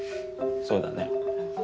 そうだね。